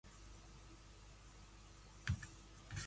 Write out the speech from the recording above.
It was known as "Edesham" in the Domesday Book.